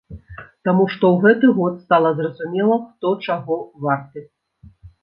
Таму што ў гэты год стала зразумела, хто чаго варты.